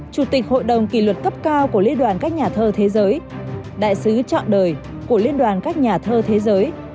chủ tịch hội đồng kỳ luật cấp cao của liên đoàn cách nhà thơ thế giới đại sứ chọn đời của liên đoàn cách nhà thơ thế giới